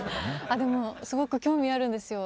あっでもすごく興味あるんですよ。